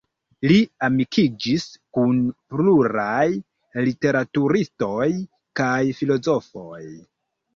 Li amikiĝis kun pluraj literaturistoj kaj filozofoj.